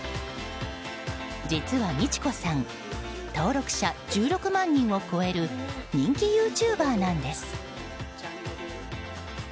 実は美智子さん登録者１６万人を超える人気ユーチューバーなんです。